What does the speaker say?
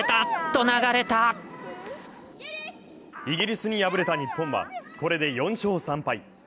イギリスに敗れた日本は、これで４勝３敗。